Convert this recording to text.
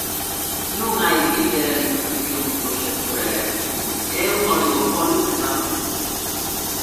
Non hai liberalización do sector eléctrico, é un oligopolio privado.